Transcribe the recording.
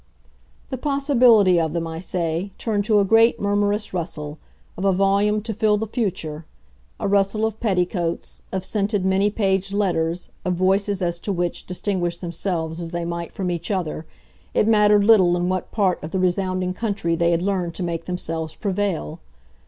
the possibility of them, I say, turned to a great murmurous rustle, of a volume to fill the future; a rustle of petticoats, of scented, many paged letters, of voices as to which, distinguish themselves as they might from each other, it mattered little in what part of the resounding country they had learned to make themselves prevail.